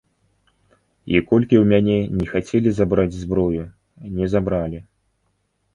І колькі ў мяне ні хацелі забраць зброю, не забралі.